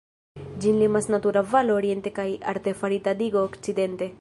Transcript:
Ĝin limas natura valo oriente kaj artefarita digo okcidente.